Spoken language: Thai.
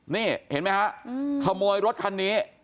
นี่เห็นไหมฮะขโมยรถคันนี้